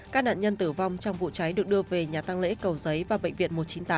các nạn nhân tử vong trong vụ cháy được đưa về nhà tăng lễ cầu giấy và bệnh viện một trăm chín mươi tám